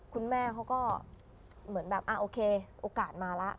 คุณแม่เขาก็เหมือนแบบโอเคโอกาสมาแล้ว